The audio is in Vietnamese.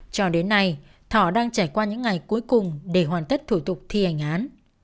cho đến nay thọ đang trải qua những ngày cuối cùng để hoàn tất thủ tục thi hành án